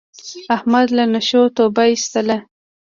احمد له نشو توبه ایستله.